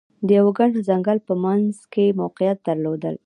د یوه ګڼ ځنګل په منځ کې موقعیت درلود.